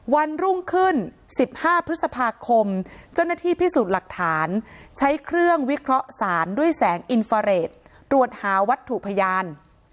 วันรุ่งขึ้น๑๕พฤษภาคมเจ้าหน้าที่พิสูจน์หลักฐานใช้เครื่องวิเคราะห์สารด้วยแสงอินฟาเรทตรวจหาวัตถุพยาน